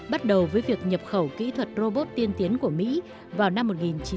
bắt đầu với việc nhập khẩu kỹ thuật robot tiên tiến của mỹ vào năm một nghìn chín trăm bảy mươi